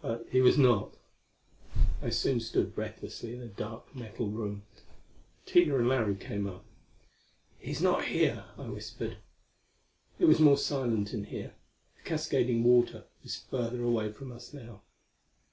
But he was not. I soon stood breathlessly in a dark metal room. Tina and Larry came up. "He's not here," I whispered. It was more silent in here: the cascading water was further away from us now.